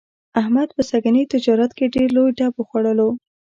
احمد په سږني تجارت کې ډېر لوی ډب وخوړلو.